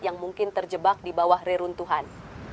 yang mungkin terjebak di bawah reruntuhan